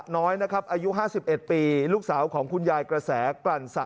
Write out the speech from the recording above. น้อยนะครับอายุห้าสิบเอ็ดปีลูกสาวของคุณยายกระแสกรรสะ